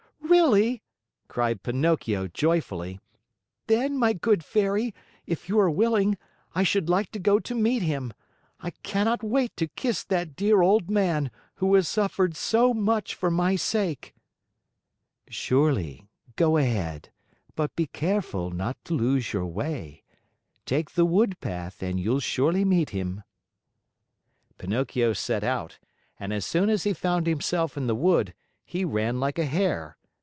"Really?" cried Pinocchio joyfully. "Then, my good Fairy, if you are willing, I should like to go to meet him. I cannot wait to kiss that dear old man, who has suffered so much for my sake." "Surely; go ahead, but be careful not to lose your way. Take the wood path and you'll surely meet him." Pinocchio set out, and as soon as he found himself in the wood, he ran like a hare.